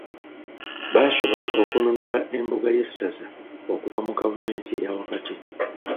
Baasobola okununula embuga y'essaza okuva mu gavumenti eyaawakati